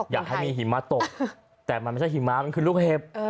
อยากให้มีหิมะตกแต่มันไม่ใช่หิมะมันคือลูกเห็บ